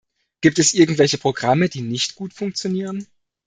Gibt es irgendwelche Programme, die nicht gut funktionieren?